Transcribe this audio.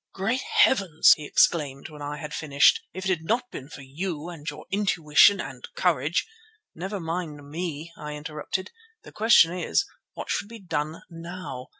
"Great heavens!" he exclaimed when I had finished. "If it had not been for you and your intuition and courage——" "Never mind me," I interrupted. "The question is—what should be done now?